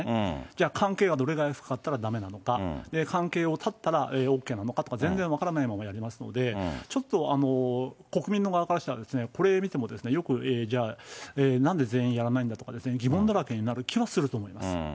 じゃあ、関係がどれぐらい深かったらだめなのか、関係を断ったらＯＫなのかとか、全然分からないでありますので、ちょっと、国民の側からしたらですね、これ見ても、よくじゃあ、なんで全員やらないんだとか、疑問だらけになる気はすると思います。